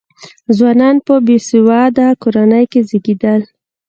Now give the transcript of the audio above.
ځوانان په بې سواده کورنیو کې زېږېدل.